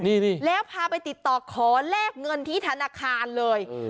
นี่แล้วพาไปติดต่อขอแลกเงินที่ธนาคารเลย